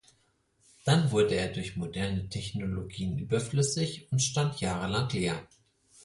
Dann wurde er durch moderne Technologien überflüssig und stand jahrelang leer.